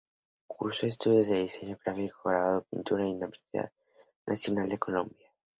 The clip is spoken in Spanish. Cursó estudios de diseño gráfico, grabado y pintura en la Universidad Nacional de Colombia.